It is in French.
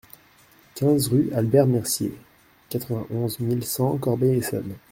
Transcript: quinze rue Albert Mercier, quatre-vingt-onze mille cent Corbeil-Essonnes